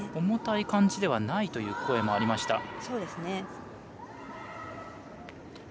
重たい感じではないという声もありました。